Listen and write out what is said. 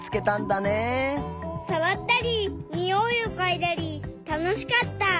さわったりにおいをかいだりたのしかった！